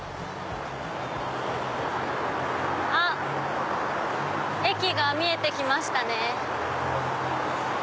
あっ駅が見えてきましたね。